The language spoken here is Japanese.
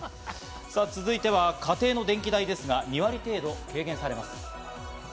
続いては家庭の電気代ですが、２割程度軽減されます。